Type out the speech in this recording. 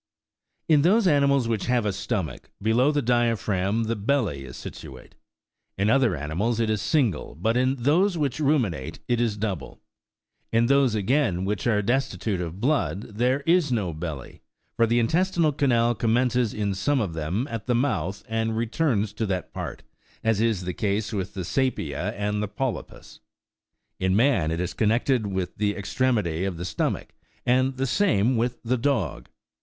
In those animals which have a stomach, below the diaphragm the belly is situate. In other animals it is single, but in those which ruminate it is double ; in those, again, which are destitute of blood, there is no belly, for the intestinal canal commences in some of them at the mouth, and returns to that part, as is the case with the saepia and the polypus. In man it is connected with the extremity of the stomach, and the same with the dog.